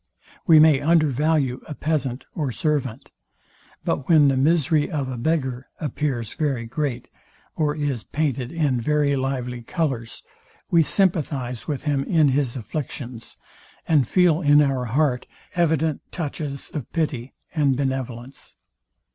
We may under value a peasant or servant; but when the misery of a beggar appears very great, or is painted in very lively colours, we sympathize with him in his afflictions; and feel in our heart evident touches of pity and benevolence.